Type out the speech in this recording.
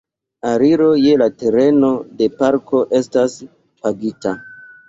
Aliro je la tereno de parko estas pagita.